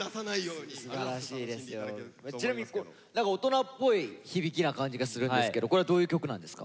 ちなみに何か大人っぽい響きな感じがするんですけどこれはどういう曲なんですか？